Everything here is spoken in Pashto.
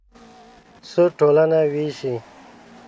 سود ټولنه وېشي.